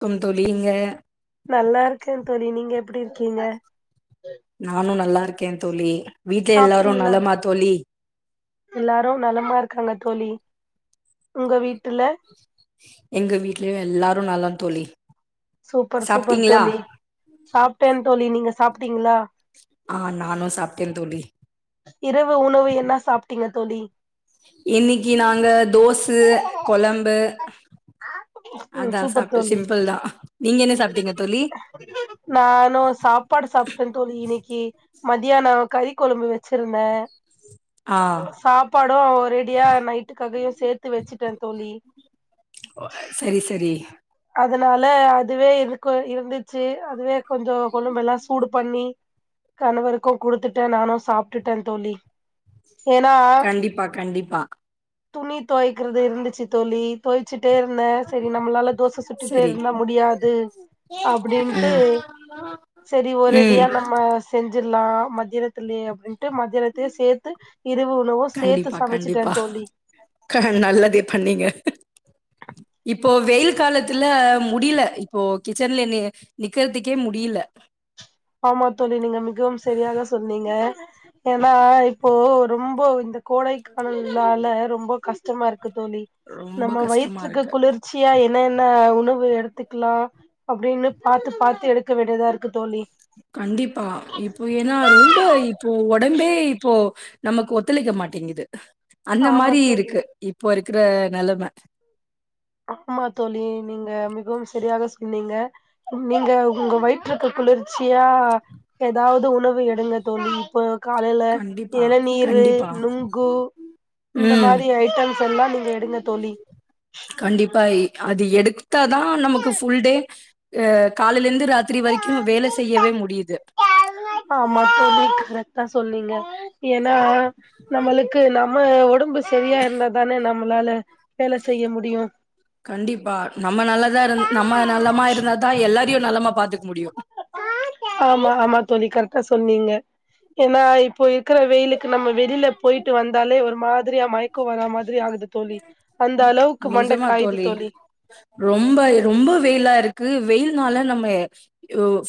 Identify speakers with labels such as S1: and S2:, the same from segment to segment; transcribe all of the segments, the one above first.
S1: க்கம் தோழி இங்க
S2: நல்லா இருக்கே தோழி நீங்க எப் ப்டி இருக்கீங்க
S1: நானு நல்லா இருக்கே தோழி வீட்ல எல்லாரு
S2: சாப்ட்டீங்களா
S1: நலமா தோழி
S2: எல்லாரு நலமா இருக்காங்க தோழி உங்க வீட்டுல
S1: எங்க வீட்லயு எல்லாரு நலம் தோழி
S2: சூப்பர் சூப்பர்
S1: சாப்ட்டீங்களா
S2: தோழி சாப்ட்டேன் தோழி நீங்க சாப்ட்டீங்ளா
S1: ஆஹ் நானு சாப்ட்டே தோழி
S2: இரவு உணவு என்ன சாப்ட்டீங்க தோழி
S1: இன்னைக்கு நாங்க தோசு கொழம்பு
S2: உம்
S1: அதா
S2: சூப்பர்
S1: சாப்ட்டோ
S2: தோழி
S1: சிம்பிள் தா நீங்க என்ன சாப்ட்டீங்க தோழி
S2: நானு சாப்பாடு சாப்ட்டே தோழி இன்னக்கி மதியான கறி கொழம்பு வச்சிருந்தே
S1: ஆ
S2: சாப்பாடு ரெடியா நைட்டுக்கதயே சேர்த்து வச்சுட்டே தோழி
S1: சரி சரி
S2: அதனால அதுவே இருக்கு இருந்துச்சு அதுவே கொஞ்ச கொழம்பெல்லா சூடு பண்ணி கணவருக்கு குடுத்துட்டே நானு சாப்டுட்டே தோழி ஏன்னா
S1: கண்டிப்பா கண்டிப்பா
S2: துணி தொவக்கிறது இருந்துச்சு தோழி தொவச்சி டே இருந்த சரி நம்மளால தோச விட்டு
S1: சரி
S2: இருந்த முடியாது அப்டின்ட்டு
S1: ம்
S2: சரி
S1: ம்
S2: ஒரடியா நம்ம சென் ஜிர்லா மத்தியான்த்துலயே அப்டின்னு மத்தியானத்து சேத்து இரவு உணவு சேத்து
S1: கண்டிப்பா
S2: சமச்சிட்டே
S1: கண்டிப்பா
S2: தோழி
S1: க நல்லதே பண்ணீங்க இப்போ வெயில் காலத்துல முடியல இப்போ கிச்சன்ல நிக்கிறதுக்கே முடியல
S2: ஆமா தோழி நீங்க மிகவும் சரியாக சொன்னீங்க ஏன்னா இப்போ ரொம்ப இந்த கோடைக்காலம் நால ரொம்ப கு அதிகமா இருக்கு தோழி
S1: ரொம்ப
S2: நம்ம
S1: கஷ்டமா
S2: வயிற்றுக்கு
S1: இருக்கு
S2: குளிர்ச்சியா என்னென்ன உணவு எடுத்துக்குலா அப்டின்னு பாத்து பாத்து எடுத்து விடதா இருக்கு தோழி
S1: கண்டிப்பா இப்போ ஏனா ரொம்ப இப்போ உடம்பே இப்போ நமக்கு ஒத்துழைக்க மாட்டேங்குது அந்த
S2: ஆமா
S1: மாரி
S2: தோழி
S1: இருக்கு இப்போ இருக்கு இருக்குற நலைம
S2: ஆமா தோழி நீங்க மிகவும் சரியானதா சொன்னீங்க நீங்க உங்க வயிற்றுக்கு குளிர்ச்சியா எதாவது உணவு எடுங்க தோழி இப்போ காலைல
S1: கண்டிப்பா
S2: இளநீரு
S1: கண்டிப்பா
S2: நுங்கு இந்த
S1: ம்
S2: மாரி ஐட்டம்ஸ் எல்லாம் நீ எடுங்க தோழி
S1: கண்டிப்பா அது எடுத்தா தா நமக்கு ஃபுல் டே அ காலைல இருந்து ராத்திரி வரைக்கும் வேல செய்யவே முடியுது
S2: ஆமா தோழி ரத்தா சொன்னீங்க ஏனா நம்மளுக்கு நம்ம ஒடம்பு சரியா இருந்தா தானே நம்மளால வேல செய்ய ‌முடியு
S1: கண்டிப்பா நம்ம த்தியு நலமா பாத்
S2: ஆமா ஆமா தோழி கரெட்டா சொ சொன்னீங்க ஏனா இப்போ இருக்குற வெயிலுக்கு நம்ம வெளில போயிட்டு வந்தாலே ஒரு மாதிரியா மயக்கம் வரா மாதிரி ஆகுது தோழி அந்த அளவுக்கு மண்ட
S1: நிஜமா
S2: காயுது
S1: தோழி ரொம்ப ரொம்ப வெயிலா இருக்கு அது வெயில்னால நம்ம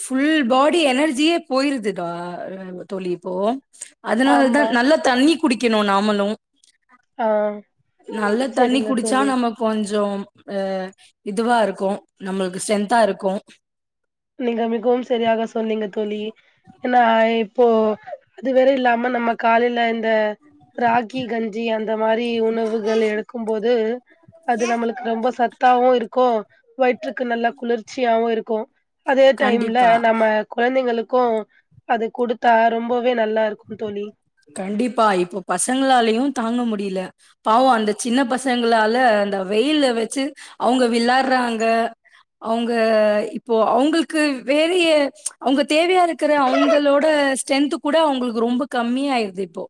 S1: ஃபுல் பாடி எனர்ஜியே போயிருதுடா தோழி இப்போ அதனாலதா
S2: ஆமா
S1: நல்ல தண்ணி குடிக்கணு நாமளு
S2: ஆ
S1: நல்ல தண்ணி
S2: செரிங்க
S1: குடிச்சா
S2: தோழி
S1: நம்ம கொஞ்சோ அ இதுவா இருக்கு நம்மளுக்கு ஸ்ட்ரென்தா இருக்கு
S2: நீங்க மிகவும் சரியாக சொன்னீங்க தோழி ஏனா இப்போ அது வேற இல்லாம நம்ம காலைல இந்த ராகி கஞ்சி அந்த மாரி உணவுகள் எடுக்கும்போது அது நம்மளுக்கு ரொம்ப சத்தாவு இருக்கு வயிற்றுக்கு நல்ல குளிர்ச்சியாவு இருக்கு அதே டைம்ல
S1: கண்டிப்பா
S2: நம்ம கொழந்தைங்களுக் கு அது குடுத்தா ரொம்பவே நல்லா இருக்கு தோழி
S1: கண்டிப்பா, இப்போ பசங்களாலயு தாங்க முடியில பாவோ அந்த சின்ன பசங்களால அந்த வெயில் வச்சு அவுங்க விளாட்றாங்க அவுங்க இப்போ அவங்ளுக்கு வேற எ அவங்க தேவையா இருக்குற அவுங்களோட ஸ்ரென்த்கூட அவுங்களுக்கு ரொம்ப கம் மியாயிருது இப்போ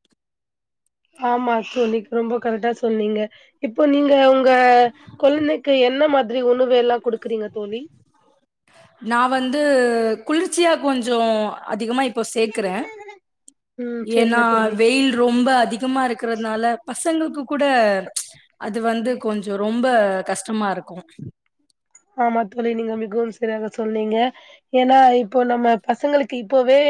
S2: ஆமா தோழி ரொம்ப கரெக்டா சொன்னீங்க இப்ப நீங்க உங் க கொழந்தைக்கு என்ன மா திரி உணவு எல்லா குடுக்குறீங்க தோழி
S1: நா வந்து குளிர்ச்சியா கொஞ்சோ அதிகமா இப் ப சேக்கறே
S2: ம்
S1: ஏன்னா
S2: செரிங்க தோழி
S1: வெயில் ரொம்ப அதிகமா இருக்கிறதுனால பசங்களுக்கு கூட அது வந்து கொஞ்சோ ரொம்ப கஷ்டமா இருக்கு
S2: ஆமா தோழி நீங்க மிகவும் சரியாக சொன்னீங்க ஏன்னா இப்போ நம்ம பசங்களுக்கு இப்பவே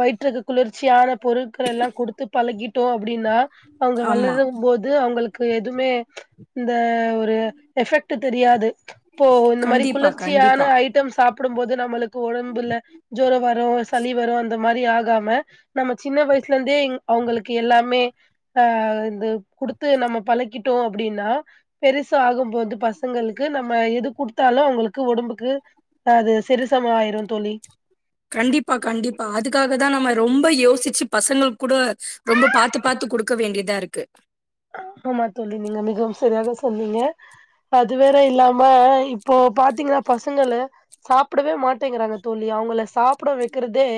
S2: வயிற்றுக்கு குளிர்ச்சியான பொருட்கள் எல்லா குடுத்து பழகிட்டோ அப்டின்னா அவங்க
S1: ஆமா.
S2: வளரும் போது அவங்களுக் கு எதுவுமே இந்த ஒரு எஃபெக்ட் தெரியாது இப்போ இந்த மாரி
S1: கண்டிப்பா,
S2: குளிர்ச்சியான
S1: கண்டிப்பா.
S2: ஐட்டம் சாப் டும்போது நம்மளுக் கு ஒடம்புல ஜோரோ வரு சளி வரு அந்த மாரி ஆகாம நம்ம சின்ன வயசுல இருந்தே அவுங்களுக்கு எல்லாமே ஆ இந்த குடுத்து நம்ம பழக்கிட்டோ அப்டின்னா பெருசு ஆகும்போது பசங்களுக்கு நம் ம எது குடுத்தாலு அவுங்களுக்கு ஒடம்புக்கு அது செரிசம ஆயிரு தோழி
S1: கண்டிப்பா கண்டிப்பா அதுக்காக தா நம்ம ரொம்ப யோசிச்சி பசங்களுக்கு கூட ரொம்ப பாத்து பாத்து குடுக்க வேண்டிதா இருக்கு
S2: ஆமா தோழி நீங்க மிகவும் சரியாக சொன்னீங்க அது வேற இல்லாம இப்போ பாத்தீங்கன்னா பசங்கள சாப்டவே மாட்டேங்கிறாங்க தோழி அவங்கள சாப்ட வைக்கிறது தே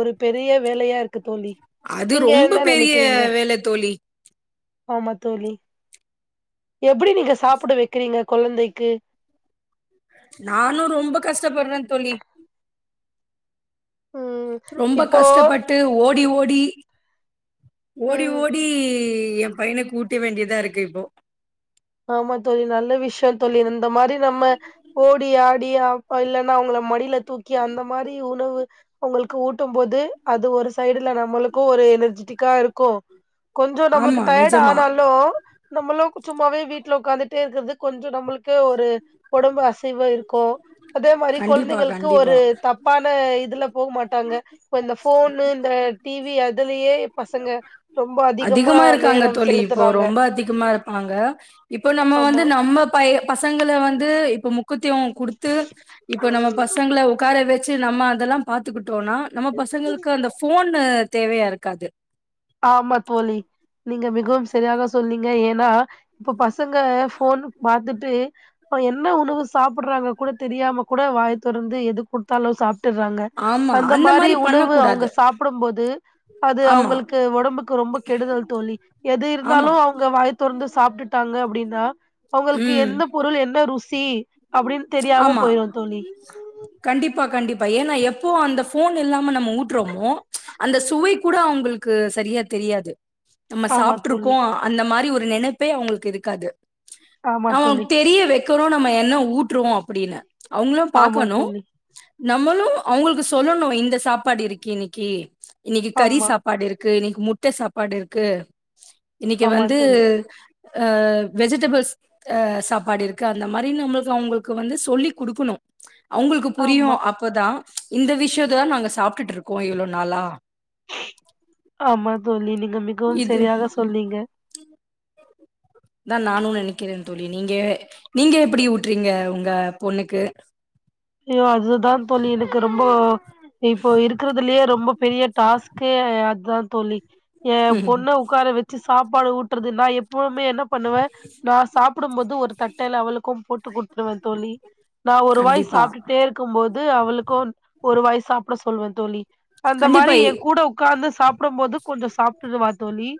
S2: ஒரு பெரிய வேலையா தோழி
S1: அது
S2: நீங்க
S1: ரொம்ப
S2: என்ன
S1: பெரிய
S2: நெனைக்கிறீங்க
S1: வேல தோழி
S2: ஆமா தோழி எப்படி நீங்க சாப்பிட வைக்கிறீங்க குழந்தைக்கு
S1: நானும் ரொம்ப கஷ்டப்படுறே தோழி
S2: ம்
S1: ரொம்ப
S2: இப்போ
S1: கஷ்டப்பட்டு ஓடி ஓ டி ஓடி
S2: ம்
S1: ஓடி எ பையன ஊட்ட வேண்டியதா இருக்கு இப்போ
S2: ஆமா தோழி நல்ல விஷ் தோழி இந்த மாதிரி நம்ம ஓடி ஆடி அப்ப இல்லன்னா அவங்கள மடியில தூக்கி அந்த மாரி உணவு அவங்களுக்கு ஊட்டும் போது அது ஒரு சைடுல நம்மளுக்கும் ஒரு எனர்ஜிட்டிக்கா இருக்கும் கொஞ்ச
S1: ஆமா
S2: நம்மளுக்கு டயர்ட்
S1: நிஜமா
S2: ஆனாலும் நம்மளும் சும்மாவே வீட்ல உட்காந்துட்டே இருக்கிறது கொஞ்சம் நம்மளுக்கு ஒரு உடம்பு அசைவ இருக்கும் அதே மாரி
S1: கண்டிப்பா
S2: குழந்தைங்களுக்கு
S1: கண்டிப்பா
S2: ஒரு தப்பான இதுல போ மாட்டாங்க இந்த போனு இந்த டி வி அது அதுலயே பசங்க ரொம்ப
S1: அதிகமா இருக்காங்க
S2: நேரம்
S1: தோழி இப்போ
S2: செலுத்துறாங்க
S1: ரொம்ப அதிகமா இருப்பாங்க இப்ப நம்ம வந்து
S2: ஆமா
S1: நம்ம பய பசங்கள வந்து இப்ப முக்கத்துவம் கொடுத்து இப்ப நம்ம பசங்கள உகார வச்ச சு நம்ம அதெல்லா பாத்துக்குட் டோனா நம்ம பசங்களுக்கு அந்த ஃபோன் னு தேவையா இருக்காது
S2: ஆமா தோழி நீங்க மிகவும் சரியாக சொன்னிங்க ஏன்னா இப்ப பச் சங்க ஃபோன் பாத்துட்டு அ என்ன உணவு சாப்புட்றாங்க கூட தெரியாம கூட வாய் தொறந்து எது கொடுத்தாலு சாப் ர்றாங்க
S1: ஆமா
S2: அந்த மாரி
S1: பண்ண
S2: உணவு அவங்க
S1: கூடாது
S2: சாப்புடும் போது அது
S1: ஆமா
S2: அவங்களுக் க்கு உடம்புக்கு ரொம்ப கெடுதல் தோழி எது இருந்தாலு
S1: ஆமா
S2: அவுங்க வாய துறந்து சாப்பிட்டுட்டாங்க அப்டின் னா அவங்களுக்கு
S1: ம்
S2: எந்த பொருள் என்ன ருச் சீ அப்டின்னு தெரியாம
S1: ஆமா
S2: போய்ரு தோழி
S1: கண்டிப்பா கண்டிப்பா ஏன்னா எப்போ அந்த போன் இல்லாம நம்ம ஊட்டுறமோ அந்த சுவை கூட அவங்களுக்கு சரியா தெரியாது நம்ம
S2: ஆமா தோழி
S1: சாப்ருக்கோ அந்த மாரி ஒரு நெனப்பே அவங்களுக்கு இருக்காது
S2: ஆமா
S1: அவ
S2: தோழி
S1: தெரியவே கறோ நம்ம என்ன ஊட் ட்ருவோ அப்டின்னு அவங்களு
S2: ஆமா
S1: பாக்கணு
S2: தோழி
S1: நம்மளு அவங்களுக்கு சொல்லணு இந்த சாப்பாடு இருக்கு இன்னிக்கி இன்னிக்கு கறி
S2: ஆமா
S1: சாப்பாடு இருக் க்கு இன்னிக்கு முட்ட சாப்பாடு இருக்கு இன்னிக்கு
S2: ஆமா
S1: வந்து
S2: தோழி
S1: ஆ வெஜிடேபில்ஸ் அ சாப்பாடு இருக்கு அந்த மாரி நம்மச் அவங்களு க்கு வந்து சொல்லி குடுக்கணு அவங்களுக்கு புரியு
S2: ஆமா
S1: அப்போ தா இந்த விஷயத்தயா நாங்க சாப்ட்டுட்டு இருக்கோ இவ்ளோ நாளா
S2: ஆமா தோழி மிகவும்
S1: இது
S2: சரியாக சொன்னீங்க
S1: தா நானு நெனைக்கிற தோழி நீங்க நீங்க எப்டி ஊட்ரிங்க உங்க பொண்ணுக்கு
S2: இல்லயா அது தா தோழி எனக்கு ரொம்போ இப்போ இருக்கிறதுலயே ரொம்ப பெரிய டாஸ்கு அதா தோழி ஏ
S1: ம்
S2: பொண்ண உக்கார வெச்சு சாப்பாடு ஊட் ட்ருதுனா எப் பவுமே என்ன பண்ணுவே நா சாப்டும்போது ஒரு தட்டல அவளுகூ போட்டு குடுதுருவ தோழி நா ஒரு வாய்
S1: கண்டிப்பா
S2: சாப்டுட்டே இருக்கும்போது அவளுக்கு ஒரு வாய் சாப்ட சொல்வே தோழி அந்த
S1: கண்டிப்பா
S2: மாரி என் கூட ஒகாந்து சாப் சாப்டும்போது கொஞ்சோ சாப்டுருவா தோழி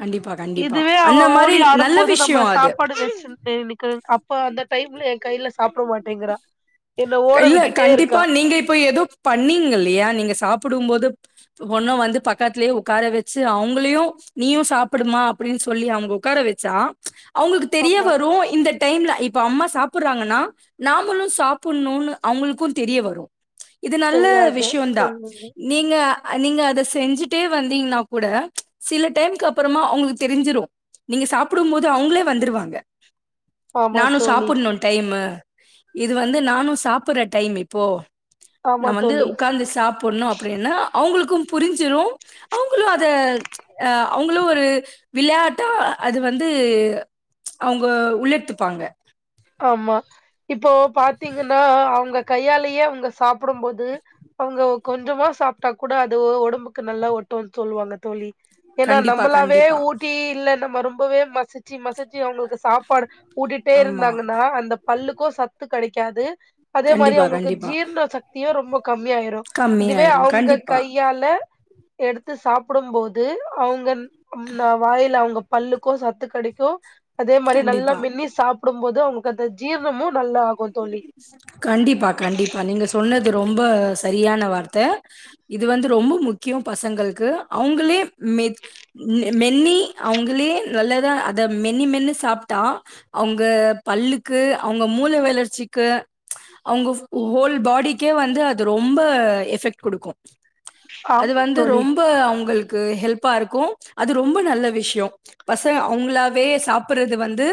S1: கண்டிப்பா கண்டிப்பா
S2: இதுவே அவ
S1: அந்த மாரி
S2: ஓடி
S1: நல்ல
S2: ஆடுபோது நம்ம
S1: விஷயோ அது
S2: சாப்பாடு செஞ்ச் த நிக்ஹ அப்ப அந்த டைம்ல கைல சாப்ட மாட்டேங்கறா
S1: க இல்ல கண்டிப்பா நீங்க இப்ப எதோ பண்ணீங்களியா நீங்க சாப்டு டும்போது ஒண்ணு வந்து பக்கத்லே உக்கார வெச்சு அவ்ங்ளையு நீயு சாப்டுமா அப்டின் சொல்லி அவுங்க உக்கார வெச்சா அவுங்ளுக்கு தெரிய
S2: ஆமா
S1: வரூ இந்த டைம்ல இப்போ அம்மா சாப்புறாங்கனா நாமளு சாப்புற்னுன்னு அவுங்ளுக்கு தெரிய வரு இது நல்ல
S2: சரியாக
S1: விஷ்யோதா
S2: சொல்லுங்க
S1: நீங்க அ நீங்க அத செஞ்சுட்டே வந்தீங்னா கூட சில டைம்கு அபறமா அவுங்ளுக்கு தெருஞ்சிரு நீங்க சாப்டும் போது அவுங்ளே வந்துருவாங்க
S2: ஆமா
S1: நானு
S2: தோழி
S1: சாப்புர்ன்னு டைமு இது வந்து நானு சாப்புர்ற டைம் இப்போ
S2: ஆமா
S1: நா வந்து
S2: தோழி
S1: உட்காந்து சாப்ட் பொண்ணு அப்டினா அவுங்ளுகு புருஞ்சிரு அவுங்ளு அத அஹ் அவுங்ளு ஒரு விளயாட்டா அது வந்து அவுங்க உள்ளெத்துபாங்க
S2: ஆமா இப்போ பாத்தீங்கனா அவுங்க கையாலயே அவுங்க சாப்டும் போது அவுங்க கொஞ்சமா சாப்ட்டா கூட அது ஒடம்புக்கு நல்லா ஒட்டுன் சொல்லுவாங்க தோழி ஏன்னா
S1: கண்டிப்பா
S2: நம்மளாவே
S1: கண்டிப்பா
S2: ஊட்டி இல்லன் நம்ம ரொம்பவே மசுச்சு மசுச் க்கே அவுங்ளுக்கு சாப்பாடு ஊட்டிட்டே இருந்
S1: ஆமா
S2: இருந்தாங்னா அந்த பல்லுகோ சத்து கெடைக்காது அதே மாரி
S1: கண்டிப்பா
S2: அவுங்ளுக்கு
S1: கண்டிப்பா
S2: ஜீர்ண சத்தியு ரொம்ப கம்மியாயிரு இதுவே
S1: கம்மியாயிரு
S2: அவ்ங்க
S1: கண்டிப்பா
S2: கையால எடுத்து சாப்புடம் போது அவுங்க நா வாயில அவுங்க பல்லுக்கு சத்து கெடைக்கு அதே மாரி நல்லா
S1: கண்டிப்பா
S2: மென்னி சாப் க்கும்போது அவுங்கங்க அந்த ஜீரணமு தோழி
S1: கண்டிப்பா கண்டிப்பா நீங்க சொன்னது ரொம்ப சரியான வார்த்த இது வந்து ரொம்ப முக்கியோ பசங்கள்க்கு அவுங்களே மெத் மென்னி அவ்ங்களே நல்லதா அத மென்னி மென்னி சாப்ட்டா அவுங்க பல்லுக்கு அவுங்க மூல வளர்ச் சிக்கு அவுங்க ஹோல் பாடிக்கே வந்து அது ரொம்ப எஃபெக்ட் குடுக்கு அது
S2: ஆமா
S1: வந்து
S2: தோழி
S1: ரொம்ப அவுங்கள்க் இங்கு ஹெல்பாருக்கு அது ரொம்ப நல்ல விஷ்யோ பசங்க அவுங்களாவே சாப்புறது வந்து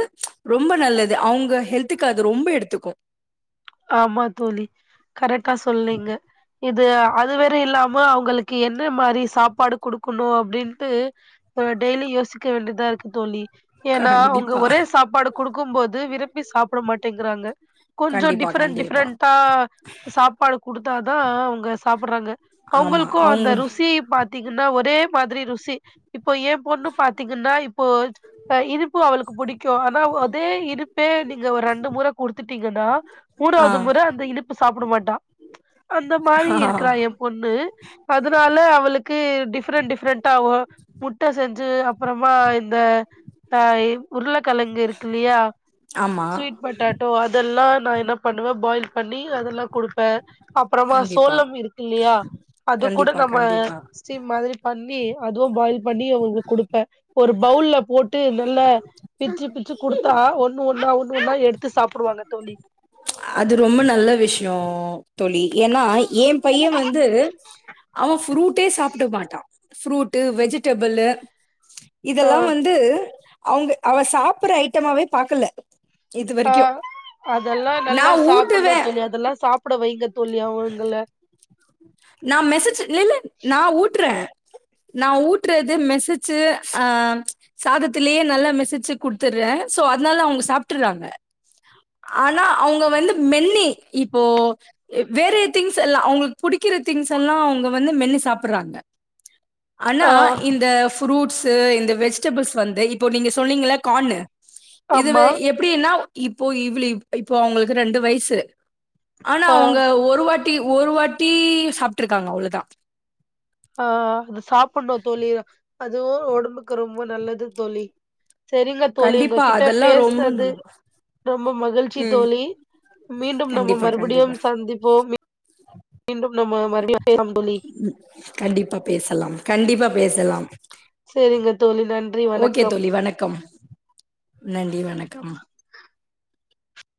S1: ரொம்ப நல்லது அவுங்க ஹெல்த்துக்கு அது ரொம்ப எடுத்துக்கு
S2: ஆமா தோழி கரெக்டா சொல்லீங்க இது அதுவற இல்லாம அவுங்களுக்கு என்ன மாரி சாப்பாடு குடுக்கணு அப்டின்ட்டு டெய்லி யோசிக்க வேண்டியதா இருக்கு தோழி ஏன்னா அவுங்க
S1: கண்டிப்பா.
S2: ஒரே சாப்பாடு குடுக் கும்போது விரும்ப்பி சாப்ட மாட்டேங்கிறாங்க கொஞ்சோ டி
S1: கண்டிப்பா
S2: டிஃபரெண்ட்
S1: கண்டிப்பா.
S2: டிஃபரெண்டடா சாப்பாடு குடுத் இத தா அவங்க சாப்டுறாங்க
S1: ஆமா.
S2: அவங்களுக்கு அந்த
S1: அவங்களு
S2: ருசி பாத்தீங்கன்னா ஒரே மாதிரி ருசி இப்ப ஏ பொண்ணு பாத்தீங்கன்னா இப்போ இருப்பு அவளுக்கு புடிக் ஆனா அதே இரு வே நீங்க ஒரு ரெண்டு மொறை கொடுத்துட்டீங்கன்னா
S1: ஆ
S2: மூனாவ்து முற அந்த இனிப்பு சாப்ட மாட் தா அந்த மாரி இருக்றா எ பொண்ணு அதனால அவ இவளுக்கு டிஃபரெண்ட் டிஃபரெண்டா முட்ட செஞ்சு அப்றமா இந்த உருளக் கலங்கு இருக்குல்லையா
S1: ஆமா.
S2: ஸ்வீட் பட்டாட்டோ அதெல்லா ந என்னப் பண்ணுவே பாயில் பண்ணி அதெல்லா கொடுப்பே அப்றோமா
S1: கண்டிப்பா.
S2: சோளம் இருக்குலையா அது கூட
S1: கண்டிப்பா,
S2: நம்ம
S1: கண்டிப்பா.
S2: ஸ்டீம் மாரி பண்ண அதுவு பாயில் பண்ணி அவங்களுக்கு கொடுப்பே ஒரு பவுல்ல போட்டு நல்ல பிச்சு பிச்சு குடுத்தா ஒண்ணு ஒண்ணா ஒண்ணு ஒண்ணா எடுத்து சாப்டுவாங்க தோழி
S1: அது ரொம்ப நல்ல விஷயோ தோழி ஏன்னா என் பையே வந்து அவ ஃப்ரூட்டே சாப்ட மாட்டா ஃப்ரூட்டு் வெஜிடபிள்
S2: ஆ
S1: இதெல்லாம் வந்து அவங்க அவ சாப்ற ஐட்டமாவே பாக்கல இதுவரைக்கும்.
S2: ஆஹ் அதெல்லாம் நல்லா
S1: நான் ஊட்டுவே
S2: சாப்பிடணும் தோழி அதெல்லாம் சாப்பிட வைங்க சொல்லி அவங்கள
S1: நான் மெசேஜ் இல் இல்ல நான் ஊட்டுறேன் நான் ஊட்டுறது மெசேஜு ஆஹ் சாதத்திலேயே நல்லா மெசேஜு குடுத்துடுறேன் சோ அதனால அவங்க சாப்பிட்டுறாங்க ஆனா அவங்க வந்து மென்னி இப்போ வேற திங்ஸ் எல்லாம் அவங்க புடிக்கிற திங்ஸ் எல்லாம் அவங்க வந்து மென்னு சாப்படுறாங்க ஆனா
S2: ஆ
S1: இந்த ஃரூட் ஸ்செ இந்த வெஜிடபிள்ஸ் வந்து இப்போ நீங்க சொன்னீங்கள கான்னு இதுவே
S2: ஆமா
S1: எப்படினா இப்போ இவ்ளி இப்போ அவங்களுக்கு ரெண்டு வயசு ஆனா
S2: ஆ
S1: அவங்க ஒரு வாட்டி டி ஒரு வாட் தீ சாப்பிட்டு இருக்காங்க அவ்ளவுதான்
S2: ஆஹ் அது சாப்பிடணுந் தோழி அதுவு ஒடம்புக்கு ரொம்ப நல்லது தோழி சரிங்க தோழி உங்க
S1: கண்டிப்பா
S2: கிட்ட
S1: அதெல்லாம் ரொம்ப
S2: பேசினது
S1: நல்லது
S2: ரொம்ப மகிழ்ச்சி
S1: ம்
S2: தோழி மீண்டும் நம்ம
S1: கண்டிப்பா
S2: மறுபடியும்
S1: கண்டிப்பா
S2: சந்திப்போம் மீ மீண்டும் நம்ம மறுபடியும் பேசலாம் தோழி
S1: ம் கண்டிப்பா பேசலாம் கண்டிப்பா பேசலாம்
S2: செரிங்க தோழி நன்றி
S1: ஓகே
S2: வணக்கம்
S1: தோழி வணக்கம் நன்றி வணக்கம்